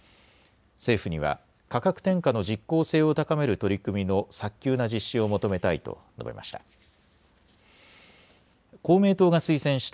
政府には価格転嫁の実効性を高める取り組みの早急な実施を求めたいと述べました。